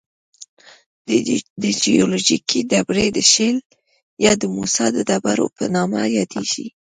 دا جیولوجیکي ډبرې د شیل یا د موسی د ډبرو په نامه یادیږي.